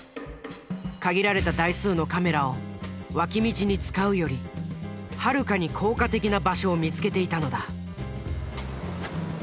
限られた台数のカメラを脇道に使うよりはるかに効果的な場所を見つけていたのだ。